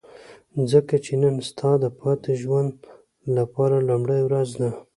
ځکه چې نن ستا د پاتې ژوند لپاره لومړۍ ورځ ده.